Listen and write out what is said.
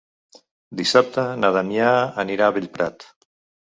Dissabte na Damià anirà a Bellprat.